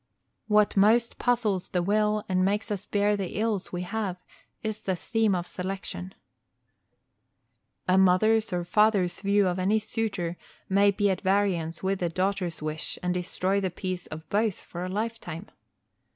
What most puzzles the will and makes us bear the ills we have is the theme of selection. A mother's or father's view of a suitor may be at variance with the daughter's wish and destroy the peace of both for a lifetime.